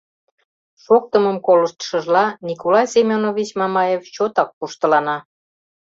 Шоктымым колыштшыжла, Николай Семёнович Мамаев чотак пуштылана.